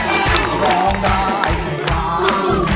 โภคใดโภคใดโภคใด